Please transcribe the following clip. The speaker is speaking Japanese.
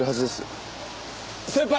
先輩！